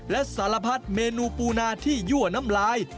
และสารพัดเมนูปูนาที่ยั่วน้ำลาย